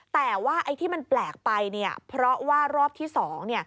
แต่ว่าที่มันแปลกไปเพราะว่ารอบที่สอง